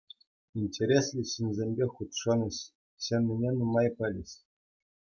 Интереслӗ ҫынсемпе хутшӑнӗҫ, ҫӗннине нумай пӗлӗҫ.